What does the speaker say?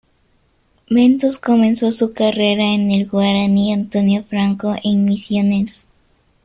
Bentos comenzó su carrera en el Guaraní Antonio Franco en Misiones.